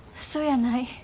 そやない。